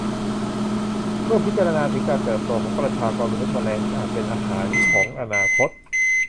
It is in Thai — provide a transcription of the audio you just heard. เมื่อพิจารณาถึงการเติบโตของประชากรมนุษย์แมลงอาจเป็นอาหารของอนาคต